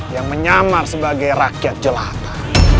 yang menyamar sebagai rakyat jelata